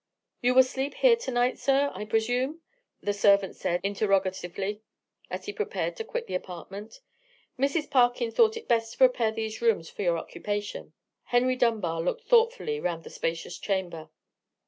"You will sleep here to night, sir, I presume?" the servant said, interrogatively, as he prepared to quit the apartment. "Mrs. Parkyn thought it best to prepare these rooms for your occupation." Henry Dunbar looked thoughtfully round the spacious chamber.